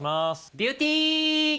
ビューティー！